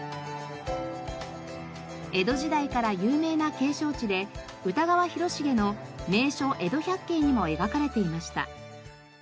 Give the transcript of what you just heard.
江戸時代から有名な景勝地で歌川広重の『名所江戸百景』にも描かれていました。